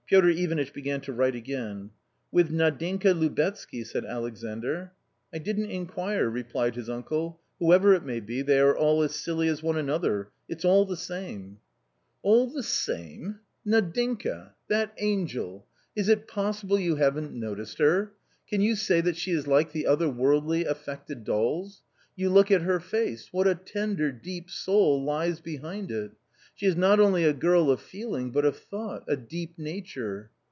Eotr Ivanitch began to jwrite again. /" W jjth yad inka Lubetsky ft" said Alexandr. *» w l! didnt inqutffi," replied his uncle; "whoever it may be — they are all as silly as one another; it's all the same." A COMMON STORY 69 " All the same ! Nadinka ! that angel ! is it possible you haven't noticed her ? can you say that she is like the other worldly, affected dolls ? You look at her face ; what a tender deep soul lies behind it. She is not only a girl of feeling, but of thought .... a deep nature."